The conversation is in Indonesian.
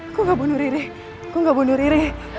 aku gak bunuh riri aku gak bunuh riri